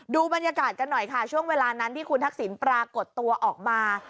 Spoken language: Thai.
ดูบรรยากาศกันหน่อยค่ะช่วงเวลานั้นที่คุณทักษิณปรากฏตัวออกมา